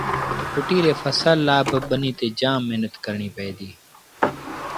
ڦٽيٚ ري ڦسل لآبا ٻنيٚ تي جآم مهنت ڪرڻيٚ پئي ديٚ